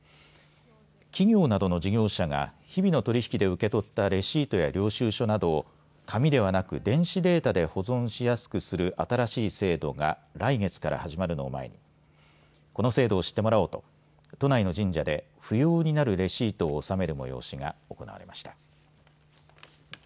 企業などの事業者が日々の取り引きで受け取ったレシートや領収書などを紙ではなく電子データで保存しやすくする新しい制度が来月から始まるのを前にこの制度を知ってもらおうと都内の神社で不要になるレシートを納める催しが行われました。